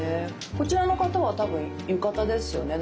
こちらの方は多分浴衣ですよね